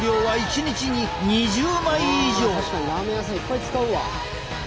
あ確かにラーメン屋さんいっぱい使うわ。